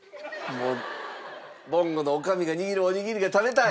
ぼんごの女将が握るおにぎりが食べたい？